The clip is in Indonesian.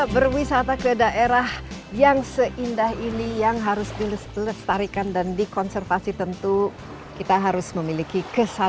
berwisata ke daerah yang seindah ini yang harus dilestarikan dan dikonservasi tentu kita harus memiliki kesadaran